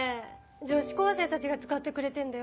女子高生たちが使ってくれてんだよ